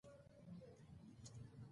بې سوادي د ټولو بدبختیو مور ده.